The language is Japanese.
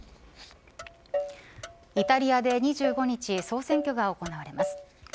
イタリアで２５日総選挙が行われます。